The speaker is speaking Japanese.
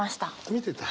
見てた？